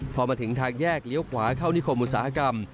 พอมาถึงทางแยกเลี้ยวขวาเข้านิคมอุตสาหกรรม